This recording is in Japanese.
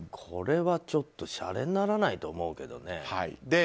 これはちょっとシャレにならないと思うけどね。